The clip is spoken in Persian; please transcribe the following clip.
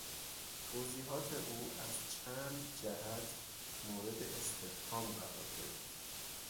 توضیحات او از چند جهت مورد استفهام قرار گرفت.